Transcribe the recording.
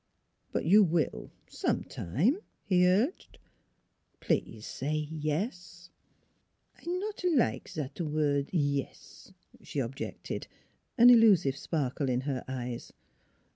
" But you will, sometime," he urged. " Please say yes." " I not like zat word e e s," she objected, an illusive sparkle in her eyes.